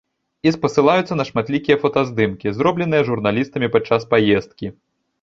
І спасылаюцца на шматлікія фотаздымкі, зробленыя журналістамі падчас паездкі.